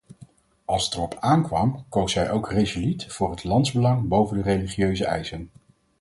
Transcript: Als het erop aankwam koos hij ook resoluut voor het landsbelang boven religieuze eisen.